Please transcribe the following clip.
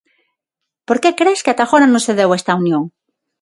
Por que cres que ata agora non se deu esta unión?